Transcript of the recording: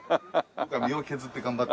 僕は身を削って頑張って。